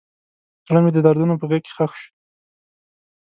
زړه مې د دردونو په غیږ کې ښخ شو.